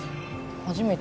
初めて？